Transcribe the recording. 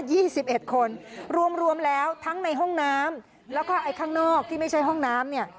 สิบเอ็ดคนรวมรวมแล้วทั้งในห้องน้ำแล้วก็ไอ้ข้างนอกที่ไม่ใช่ห้องน้ำเนี่ย